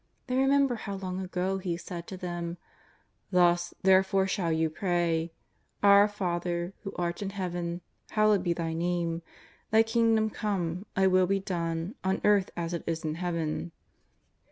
They remember how long ago He said to Jthem :" Thus, therefore shall you pray: Our Father who art in Heaven, hallowed be Thy Name; Thy Kingdom come; Thy Will be done on earth as it is in Heaven."